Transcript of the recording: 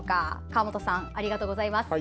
川本さん、ありがとうございます。